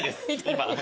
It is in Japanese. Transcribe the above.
今。